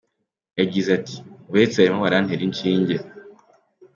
Yagize ati :” buretse barimo barantera inshinge”.